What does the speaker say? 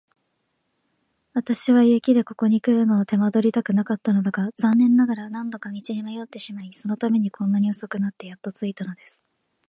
私は雪でここにくるのを手間取りたくなかったのだが、残念ながら何度か道に迷ってしまい、そのためにこんなに遅くなってやっと着いたのです。